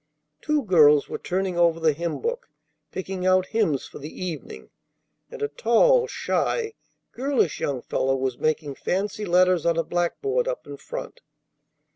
Two girls were turning over the hymn book, picking out hymns for the evening; and a tall, shy, girlish young fellow was making fancy letters on a blackboard up in front.